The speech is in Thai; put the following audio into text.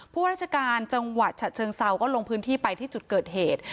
ผู้ราชการจังหวัดฉะเชิงเซาก็ลงพื้นที่ไปที่จุดเกิดเหตุ